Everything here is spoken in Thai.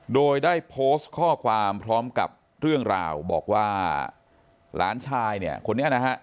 โดยได้โพสต์ข้อความพร้อมกับเรื่องราวบอกว่าหลานชายเนี่ยคนนี้นะฮะ